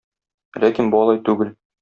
Ләкин бу алай түгел.